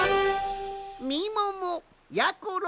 みももやころ